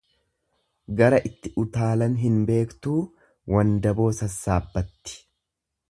Gara itti utaalan hin beektuu wandaboo sassaabbatti.